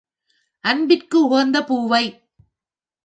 அன்பிற்கு உகந்த பூவை.